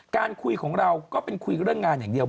การคุยของเราก็เป็นคุยเรื่องงานอย่างเดียว